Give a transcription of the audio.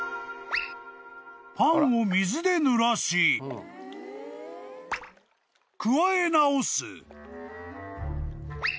［パンを水でぬらしくわえ直す］